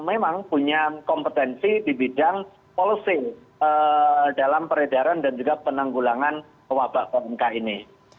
memang memiliki kompetensi di bidang polusi dalam peredaran dan juga penanggulangan wabak pmk ini